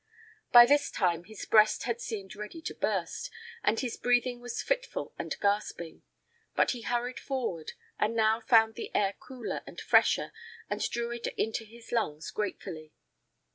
By this time his breast had seemed ready to burst, and his breathing was fitful and gasping; but he hurried forward and now found the air cooler and fresher and drew it into his lungs gratefully.